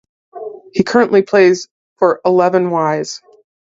He currently plays for Eleven Wise.